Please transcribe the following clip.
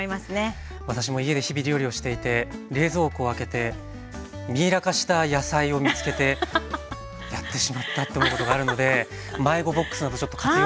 私も家で日々料理をしていて冷蔵庫を開けてミイラ化した野菜を見つけてやってしまったと思うことがあるので迷子ボックスなどちょっと活用していきたいと思います。